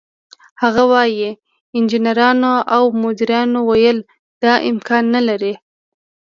هغه وايي: "انجنیرانو او مدیرانو ویل دا امکان نه لري،